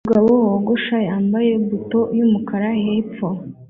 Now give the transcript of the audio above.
Umugabo wogosha wambaye buto yumukara hepfo